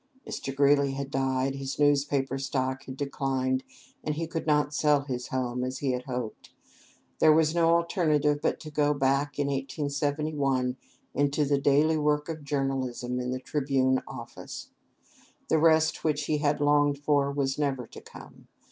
Mr. Greeley had died, his newspaper stock had declined, and he could not sell his home, as he had hoped. There was no alternative but to go back in 1871 into the daily work of journalism in the "Tribune" office. The rest which he had longed for was never to come.